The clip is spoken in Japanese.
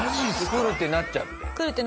来るってなっちゃって。